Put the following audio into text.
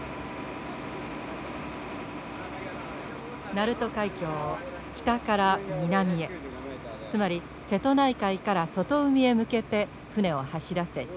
鳴門海峡を北から南へつまり瀬戸内海から外海へ向けて船を走らせ地形を探っていきます。